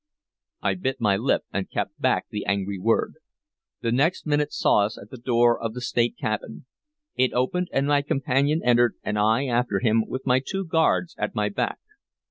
I bit my lip and kept back the angry word. The next minute saw us at the door of the state cabin. It opened, and my companion entered, and I after him, with my two guards at my back.